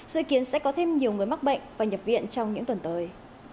dự kiến sẽ có thêm nhiều người mắc bệnh và nhập viện trong những tuần tới